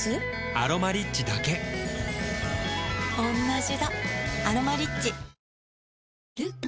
「アロマリッチ」だけおんなじだ「アロマリッチ」ルック